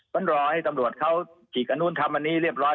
มันรอให้ตำรวจเขาฉีกอันนู้นทำอันนี้เรียบร้อย